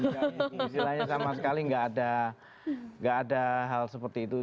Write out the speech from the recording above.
istilahnya sama sekali nggak ada hal seperti itu